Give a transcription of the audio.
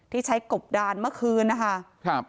ที่ใช้กบดานเมื่อคืนนะคะครับ